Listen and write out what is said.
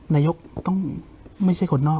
นายกต้องไม่ใช่คนนอก